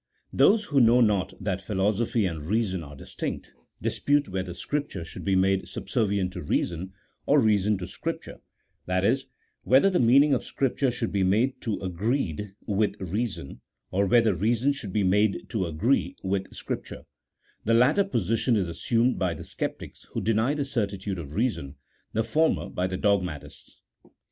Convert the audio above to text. THOSE who know not that philosophy and reason are dis tinct, dispute whether Scripture should be made sub servient to reason, or reason to Scripture : that is, whether i:he meaning of Scripture should be made to agreed with reason ; or whether reason should be made to agree with Scripture : the latter position is assumed by the sceptics who deny the certitude of reason, the former by the dog matists.